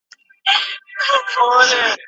د ماسټرۍ برنامه سمدستي نه لغوه کیږي.